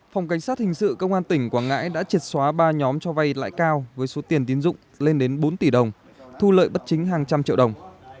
phòng cảnh sát hình sự công an tỉnh quảng ngãi đã triệt xóa ba nhóm cho vay lãi cao với số tiền tiến dụng lên đến bốn tỷ đồng thu lợi bất chính hàng trăm triệu đồng